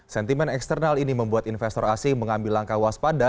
sentimen eksternal ini membuat investor asing mengambil langkah waspada